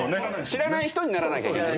知らない人にならなきゃいけない。